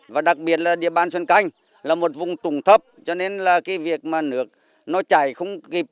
và đặc biệt là địa bàn xuân canh là một vùng trụng thấp cho nên là cái việc mà nước nó chảy không kịp